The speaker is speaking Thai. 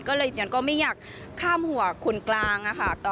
ก็เลยเจียนก็ไม่อยากข้ามหัวคนกลางค่ะ